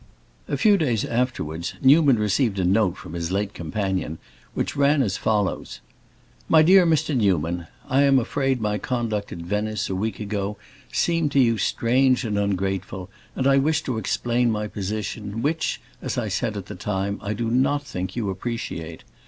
A few days afterwards Newman received a note from his late companion which ran as follows:— My Dear Mr. Newman,—I am afraid that my conduct at Venice, a week ago, seemed to you strange and ungrateful, and I wish to explain my position, which, as I said at the time, I do not think you appreciate.